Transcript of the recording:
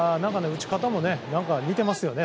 打ち方も似ていますよね。